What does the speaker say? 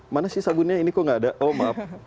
mana sih sabunnya ini kok nggak ada oh maaf